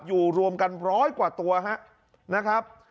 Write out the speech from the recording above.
รวมกันร้อยกว่าตัวนะครับ